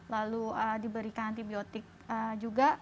lalu diberikan antibiotik juga